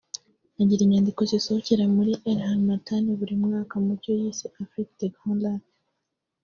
Agira inyandiko zisohokera muri L’Harmattan buri mwaka mu cyo yise Afrique des Grands Lacs